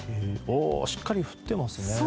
しっかり降ってますね。